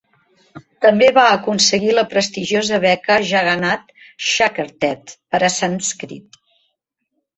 També va aconseguir la prestigiosa Beca Jagannath Shankersheth per a sànscrit.